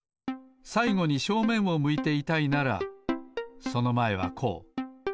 さいごに正面を向いていたいならそのまえはこう。